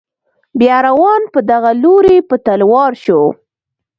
بیا روان په دغه لوري په تلوار شو.